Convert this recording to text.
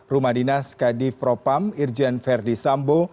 rumah dinas kadif propam irjen verdi sambo